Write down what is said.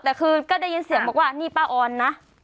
เพราะว่ามีเสียงบอกว่านี่ป้าออนนะ